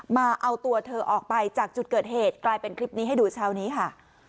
มาเอาตัวเธอออกไปจากจุดเกิดเหตุกลายเป็นคลิปนี้ให้ดูเช้านี้ค่ะ